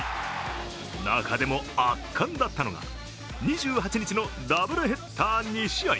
中でも圧巻だったのが２８日のダブルヘッダー２試合。